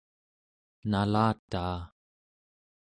nalataa